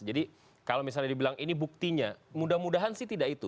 jadi kalau misalnya dibilang ini buktinya mudah mudahan sih tidak itu